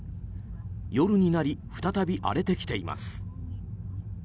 夜になり再び荒れてきています。